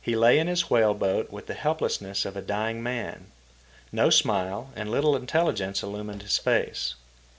He lay in his whale boat with the helplessness of a dying man. No smile and little intelligence illumined his face.